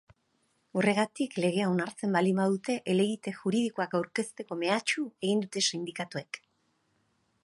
Horregatik, legea onartzen baldin badute helegite juridikoak aurkezteko mehatxu egin dute sindikatuek.